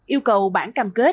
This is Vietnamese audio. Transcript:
yêu cầu bản cam kết